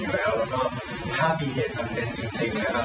แล้วก็ถ้าปีเกตสำเร็จจริงนะครับ